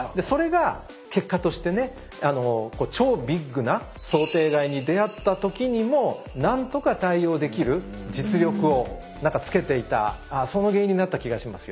それが結果としてね超ビッグな想定外に出会った時にも何とか対応できる実力をつけていたその原因になった気がしますよね。